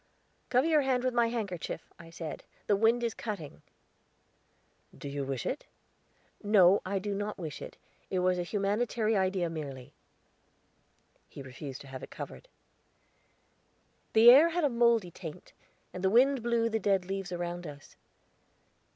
"Cover your hand with my handkerchief," I said; "the wind is cutting." "Do you wish it?" "No, I do not wish it; it was a humanitary idea merely." He refused to have it covered. The air had a moldy taint, and the wind blew the dead leaves around us.